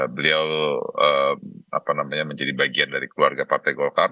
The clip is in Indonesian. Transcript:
beliau menjadi bagian dari keluarga partai golkar